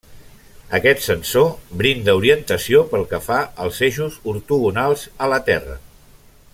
Aquest sensor brinda orientació pel que fa als eixos ortogonals a la Terra.